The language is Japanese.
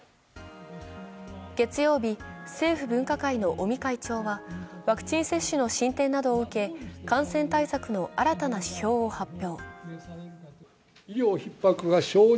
月曜日、政府分科会の尾身会長は、ワクチン接種の進展などを受け、感染対策の新たな指標を発表。